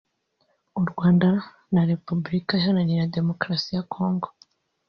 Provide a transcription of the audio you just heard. u Rwanda na Repubulika ihaganira Demokarasi ya Congo